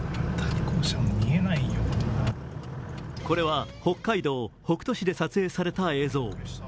これは北海道北斗市で撮影された映像。